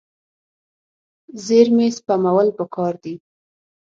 زیرمې سپمول پکار دي.